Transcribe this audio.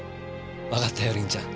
わかったよりんちゃん。